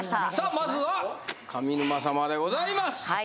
まずは上沼様でございます